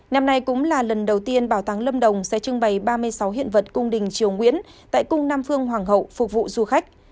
năm nay cũng là lần đầu tiên bảo tàng lâm đồng sẽ trưng bày ba mươi sáu hiện vật cung đình triều nguyễn tại cung nam phương hoàng hậu phục vụ du khách